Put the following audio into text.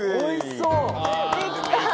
できた！